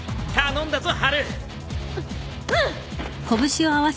ううん！